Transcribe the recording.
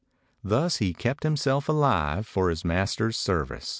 Thus he kept him self alive for his master's service.